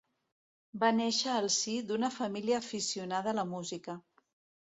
Va néixer al si d'una família aficionada a la música.